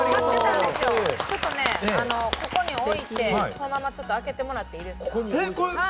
ちょっとここに置いて、開けてもらっていいですか？